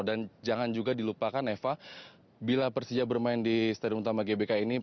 dan jangan juga dilupakan eva bila persija bermain di stadion utama gbk ini